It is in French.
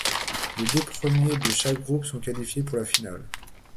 Les deux premiers de chaque groupe sont qualifiés pour la finale.